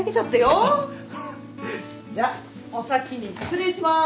じゃお先に失礼します。